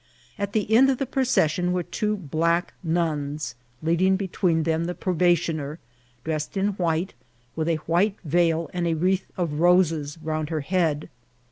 At the end of the pro cession were two black nuns, leading between them the probationer, dressed in white, with a white veil and a wreath of roses round her head.